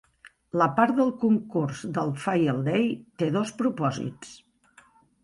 La part del concurs del Field Day té dos propòsits.